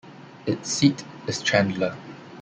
Its seat is Chandler.